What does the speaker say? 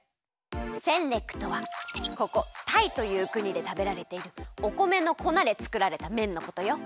センレックとはここタイというくにでたべられているおこめのこなでつくられためんのことよ。